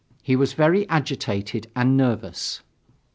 He was very agitated and nervous.